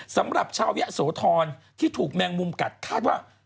สำหรับชาวยะโสธรที่ถูกแมงมุมกัดคาดว่า